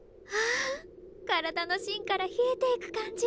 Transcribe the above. あ体のしんから冷えていく感じ！